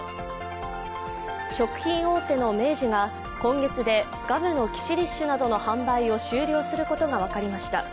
食品大手の明治が今月でガムのキシリッシュなどの販売を終了することが分かりました。